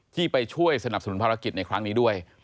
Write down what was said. ที่ไปช่วยสนับสนุนภารกิจในครั้งนี้ด้วย